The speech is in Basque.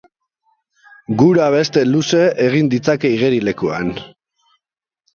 Gura beste luze egin ditzake igerilekuan.